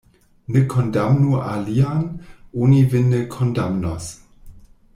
Ne kondamnu alian, oni vin ne kondamnos.